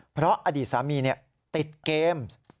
เพราะอดีตสามีเนี่ยติดเกม